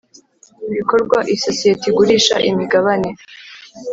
ibikorwa isosiyete igurisha imigabane